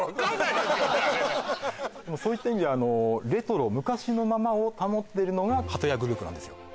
あれねそういった意味であのレトロ昔のままを保ってるのがハトヤグループなんですよ